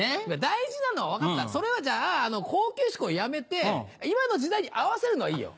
大事なのは分かったそれはじゃあ高級志向やめて今の時代に合わせるのはいいよ。